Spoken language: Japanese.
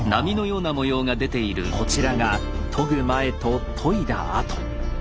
こちらが研ぐ前と研いだ後。